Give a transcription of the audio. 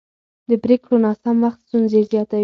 د پرېکړو ناسم وخت ستونزې زیاتوي